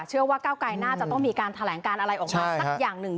เชื่อว่าเก้าไกรน่าจะต้องมีการแถลงการอะไรออกมาสักอย่างหนึ่ง